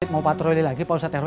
mau patroli lagi pak ustadz rw